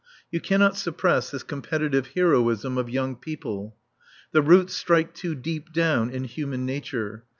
You cannot suppress this competitive heroism of young people. The roots strike too deep down in human nature.